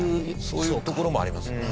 そういうところもありますよね。